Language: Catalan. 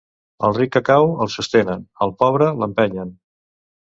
Al ric que cau, el sostenen; al pobre, l'empenyen.